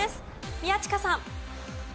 宮近さん。